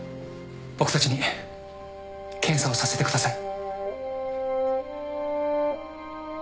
僕たちに検査をさせてください。